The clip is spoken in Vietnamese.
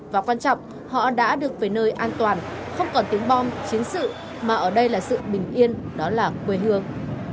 và quan trọng họ đã được về nơi an toàn không còn tiếng bom chiến sự mà ở đây là sự bình yên đó là quê hương